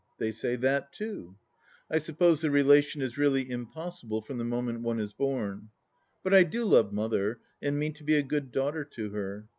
They say that, too. I suppose the relation is really impossible from the moment one is born. But I do love Mother, and mean to be a good daughter to her.